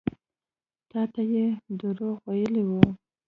تا ته يې دروغ ويلي وو.